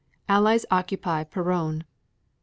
Allies occupy Peronne.